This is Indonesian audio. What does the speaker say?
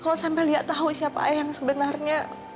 kalau sampai lia tahu sih apa yang sebenarnya